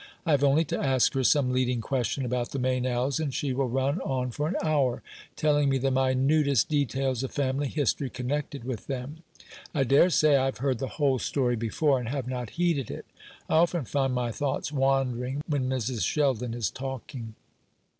I have only to ask her some leading question about the Meynells, and she will run on for an hour, telling me the minutest details of family history connected with them. I dare say I have heard the whole story before, and have not heeded it: I often find my thoughts wandering when Mrs. Sheldon is talking."